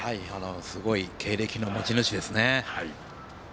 すごい経歴の持ち主ですね。